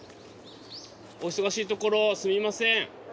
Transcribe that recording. お忙しいところすみません。